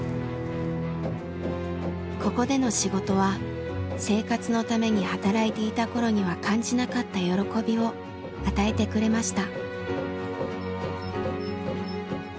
ここでの仕事は生活のために働いていた頃には感じなかった喜びを与えてくれました。